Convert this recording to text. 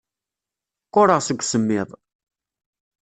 Qquṛeɣ deg usemmiḍ.